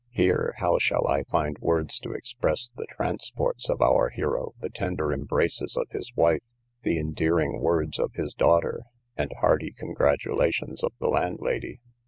Here, how shall I find words to express the transports of our hero, the tender embraces of his wife, the endearing words of his daughter, and hearty congratulations of the landlady!